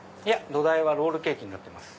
土台はロールケーキになってます。